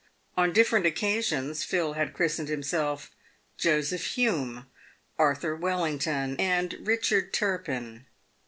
On different occasions Phil had christened himself Joseph Hume, Arthur Wellington, and Eichard Turpin.